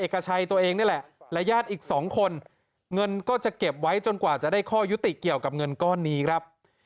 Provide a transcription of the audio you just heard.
เก็บไว้จนกว่าจะได้ข้อยุติเกี่ยวกับเงินก้อนนี้ครับ